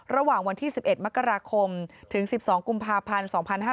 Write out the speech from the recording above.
ระหว่างวันที่๑๑มกราคมถึง๑๒กุมภาพันธ์๒๕๕๙